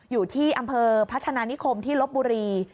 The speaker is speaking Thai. อยู่ที่อำเภอพัฒนานิคมที่ลบบุรี